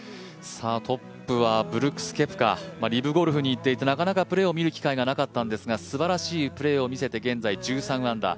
トップはブルックス・ケプカ、リブゴルフにいっていて、なかなかプレーを見る機会がなかったんですがすばらしいプレーを見せて現在１３アンダー。